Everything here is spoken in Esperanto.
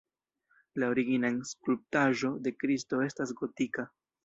La originan skulptaĵo de Kristo estas gotika.